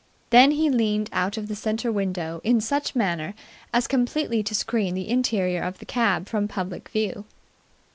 Then he leaned out of the centre window in such a manner as completely to screen the interior of the cab from public view.